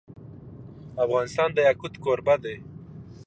افغانستان د یاقوت کوربه دی.